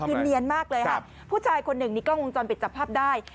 ขึ้นเนียนมากเลยครับผู้ชายคนหนึ่งนี่ก็งงจรปิดจับภาพได้